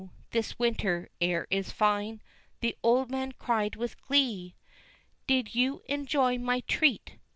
this winter air is fine!" the old man cried with glee! "Did you enjoy my treat?